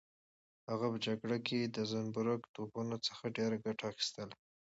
هغه په جګړه کې د زنبورک توپونو څخه ډېره ګټه اخیستله.